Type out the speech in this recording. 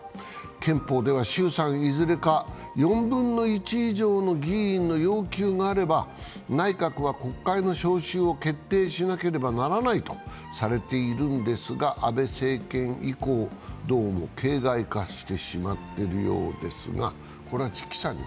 憲法では衆・参いずれか４分の１以上の議員の要求があれば内閣は国会の召集を決定しなければならないとされているんですが、安倍政権以降、どうも形骸化してしまっているようですが。